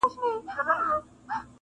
نورو ټولو به وهل ورته ټوپونه،